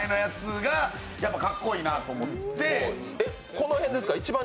この辺ですか？